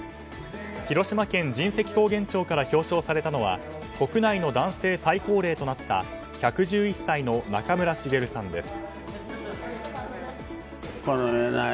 広島県神石高原町から表彰されたのは国内の男性最高齢となった１１１歳の中村茂さんです。